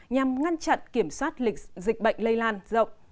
nhằm ngăn chặn kiểm soát lịch dịch bệnh lây lan rộng